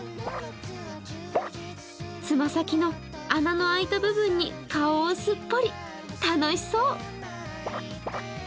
つま先の穴の開いた部分に顔をすっぽり、楽しそう。